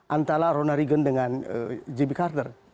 antara ronald reagan dengan jimmy carter